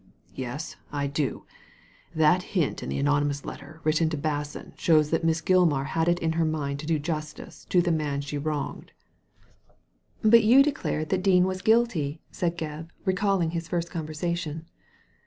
"Yes, I do; that hint in the anonymous letter written to Basson shows that Miss Gilmar had it in her mind to do justice to the man she wronged." Digitized by Google i88 THE LADY FROM NOWHERE '* But you declared that Dean was guilty/' said Gebb, recalling his first conversation.